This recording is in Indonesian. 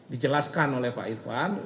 dijelaskan oleh pak irfan